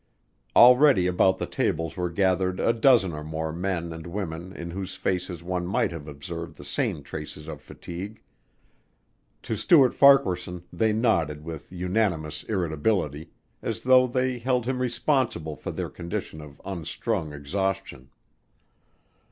Already about the tables were gathered a dozen or more men and women in whose faces one might have observed the same traces of fatigue. To Stuart Farquaharson they nodded with unanimous irritability, as though they held him responsible for their condition of unstrung exhaustion.